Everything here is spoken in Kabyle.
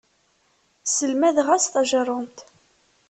Sselmadeɣ-as tajerrumt.